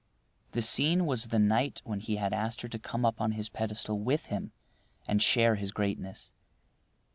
The scene was the night when he had asked her to come up on his pedestal with him and share his greatness.